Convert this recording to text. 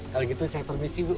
kalau gitu saya permisi bu